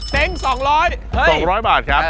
เซ็ง๒๐๐บาทครับ